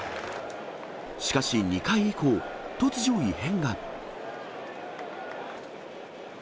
しかし２回以降、突如異変が。